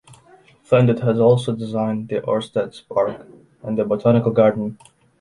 Flindt has also designed the Orsteds Park and the botanical garden.